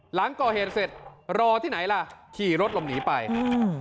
หลังก่อเหตุเสร็จรอที่ไหนล่ะขี่รถหลบหนีไปอืม